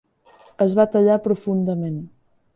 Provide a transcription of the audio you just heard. Es va tallar profundament.